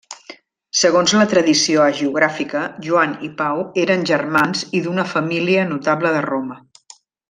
Segons la tradició hagiogràfica, Joan i Pau eren germans i d'una família notable de Roma.